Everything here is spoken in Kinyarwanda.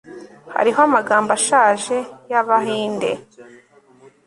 hariho amagambo ashaje y'abahinde